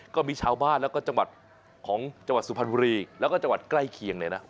ก็มีชาวบ้านแล้วก็จังหวัดของจังหวัดสุพรรณบุรีแล้วก็จังหวัดใกล้เคียงเลยนะ